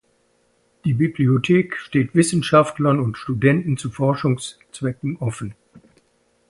Die Bibliothek steht Wissenschaftlern und Studenten zu Forschungszwecken offen.